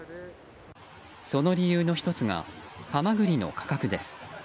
その理由の１つはハマグリの価格です。